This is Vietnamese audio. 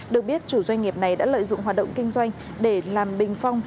được biết chủ doanh nghiệp này đã lợi dụng hoạt động kinh doanh để làm bình phong